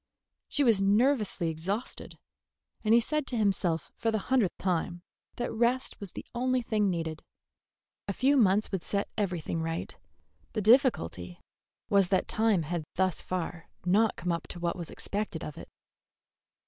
She was nervously exhausted; and he said to himself for the hundredth time that rest was the only thing needed. A few months would set everything right. The difficulty was that time had thus far not come up to what was expected of it.